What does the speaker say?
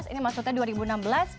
ini maksudnya dua ribu enam belas